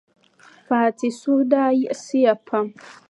Fati suhu daa yiɣisiya pam.